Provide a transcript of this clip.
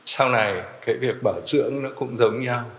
sau này cái việc bảo dưỡng nó cũng giống nhau